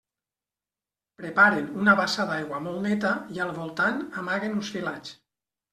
Preparen una bassa d'aigua molt neta i al voltant amaguen uns filats.